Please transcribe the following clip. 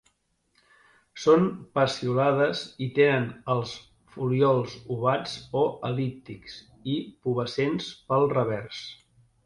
Són peciolades i tenen els folíols ovats o el·líptics i pubescents pel revers.